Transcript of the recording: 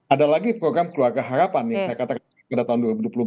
ada lagi program keluarga harapan yang saya katakan pada tahun dua ribu dua puluh empat